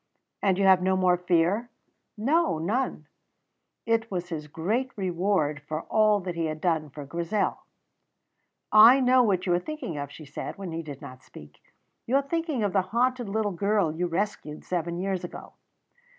"And you have no more fear?" "No, none." It was his great reward for all that he had done for Grizel. "I know what you are thinking of," she said, when he did not speak. "You are thinking of the haunted little girl you rescued seven years ago."